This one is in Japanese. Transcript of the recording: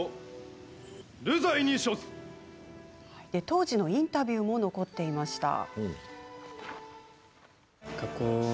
当時のインタビューも残っていました。